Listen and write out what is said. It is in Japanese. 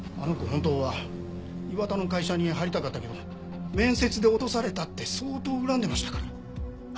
本当は磐田の会社に入りたかったけど面接で落とされたって相当恨んでましたから。